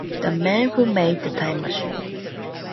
The man who made the Time Machine.